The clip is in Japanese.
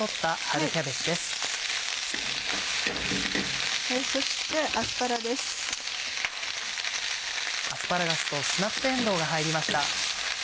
アスパラガスとスナップえんどうが入りました。